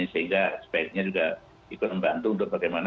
sehingga sebaiknya juga ikut membantu untuk bagaimana